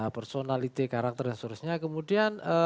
personality karakter dan seterusnya kemudian